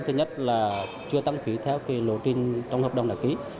thứ nhất là chưa tăng phí theo lộ trình trong hợp đồng đã ký